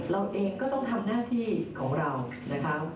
เราเองก็ต้องทำหน้าที่ของเรานะคะ